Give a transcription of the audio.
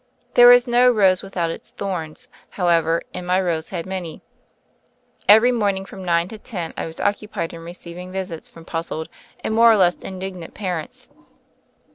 There is no rose without its thorns, how ever, and my rose had many. Every morning from nine to eleven I was occupied in receiv ing visits from puzzled and more or less indig nant parents.